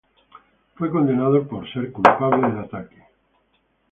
Fue condenado por ser culpable del ataque.